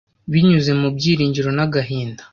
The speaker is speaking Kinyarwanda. binyuze mu byiringiro n'agahinda